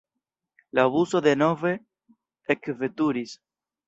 La buso denove ekveturis.